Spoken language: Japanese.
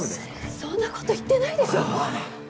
そんなこと言ってないでしょ